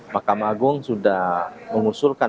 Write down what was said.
mahkamah agung sudah mengusulkan